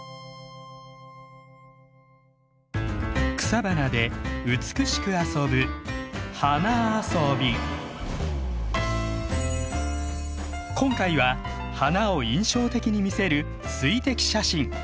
草花で美しく遊ぶ今回は花を印象的に見せる「水滴写真」。